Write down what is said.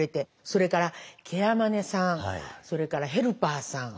それからケアマネさんそれからヘルパーさん。